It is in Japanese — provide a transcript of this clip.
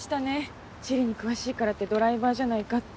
地理に詳しいからってドライバーじゃないかって。